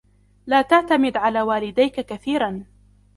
لا تعتمد على والديك كثيراً.